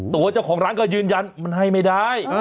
ตัวเจ้าของร้านก็ยืนยันมันให้ไม่ได้